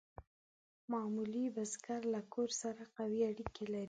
معمولي بزګر له کور سره قوي اړیکې لرلې.